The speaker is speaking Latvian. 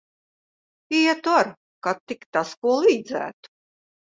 Ietu ar, kad tik tas ko līdzētu.